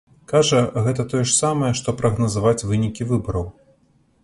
Кажа, гэта тое ж самае, што прагназаваць вынікі выбараў.